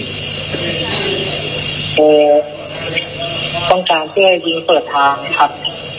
ครูต้องการเพื่อยิงเปิดทางครับ